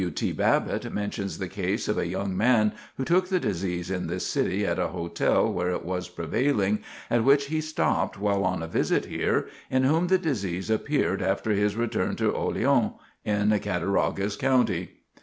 W. T. Babbitt mentions the case of a young man who took the disease in this city at a hotel where it was prevailing, at which he stopped while on a visit here, in whom the disease appeared after his return to Olean, in Cattaraugus County.